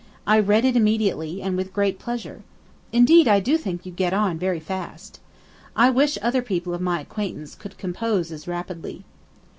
I read it immediately, and with great pleasure. Indeed, I do think you get on very fast. I wish other people of my acquaintance could compose as rapidly.